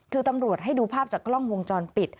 คือตำรวจให้ดูภาพจากกล้องวงจรปิด